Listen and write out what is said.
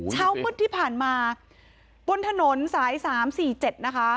เช้ามืดที่ผ่านมาบนถนนสายสามสี่เจ็ดนะคะ